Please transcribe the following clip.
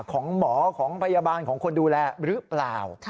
ของหมอของพยาบาลของคนดูแลหรือเปล่า